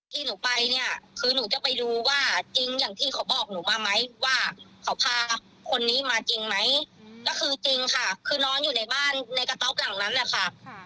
ที่หนูไปเนี่ยคือหนูจะไปดูว่าจริงอย่างที่เขาบอกหนูมาไหมว่าเขาพาคนนี้มาจริงไหมก็คือจริงค่ะคือนอนอยู่ในบ้านในกระต๊อบหลังนั้นแหละค่ะ